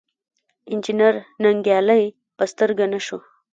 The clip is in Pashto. انجنیر ننګیالی په سترګه نه شو.